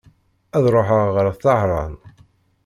Ad ruḥeɣ ɣer Tahran.